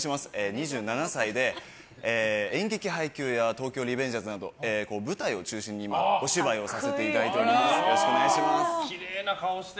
２７歳で演劇「ハイキュー」など舞台を中心にお芝居をさせていただいております。